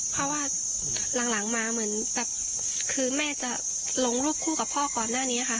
เพราะว่าหลังมาเหมือนแบบคือแม่จะลงรูปคู่กับพ่อก่อนหน้านี้ค่ะ